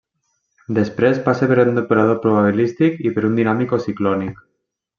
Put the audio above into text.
Després passa per un depurador probabilístic i per un dinàmic o ciclònic.